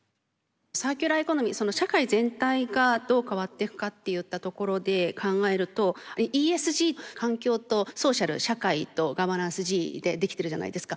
サーキュラーエコノミーその社会全体がどう変わっていくかといったところで考えるとＥＳＧ環境とソーシャル社会とガバナンスＧでできてるじゃないですか。